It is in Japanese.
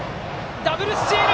ダブルスチール！